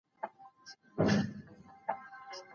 مثبت تاثیرات مو په زړه کي وساتئ.